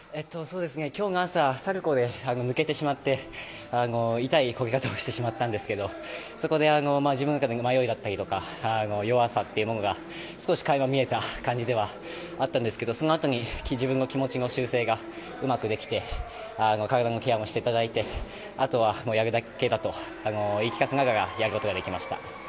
今日の朝サルコウが抜けてしまって痛いこけ方をしてしまったんですがそこで自分の中で迷いだったり弱さが少し垣間見えた感じではあったんですがそのあとに自分の気持ちの修正がうまくできて体のケアもしていただいてあとはやるだけだと言い聞かせながらやることができました。